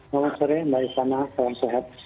selamat sore mbak irvana salam sehat